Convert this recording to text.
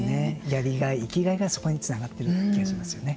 やりがい生きがいがそこにつながっているという気がしますよね。